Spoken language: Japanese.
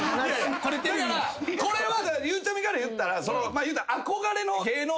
だからこれはゆうちゃみから言ったら。